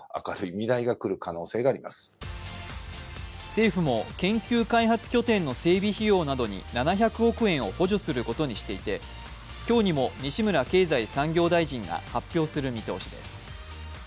政府も研究開発拠点の整備費用などに７００億円を補助することにしていて今日にも西村経済産業大臣が発表する見通しです。